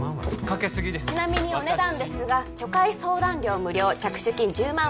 ちなみにお値段ですが初回相談料無料着手金１０万